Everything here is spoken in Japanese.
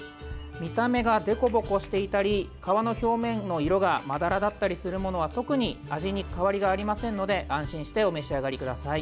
見た目が凸凹していたり皮の表面の色がまだらだったりするものは特に味に変わりがありませんので安心してお召し上がりください。